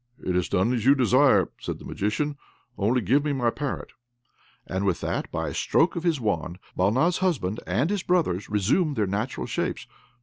"It is done as you desire," said the Magician, "only give me my parrot." And with that, by a stroke of his wand, Balna's husband and his brothers resumed their natural shapes.